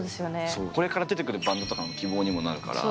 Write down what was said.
これから出てくるバンドとかの希望にもなるから。